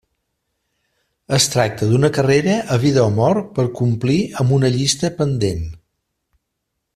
Es tracta d'una carrera a vida o mort per complir amb una llista pendent.